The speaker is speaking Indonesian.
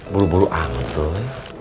buru buru anget doi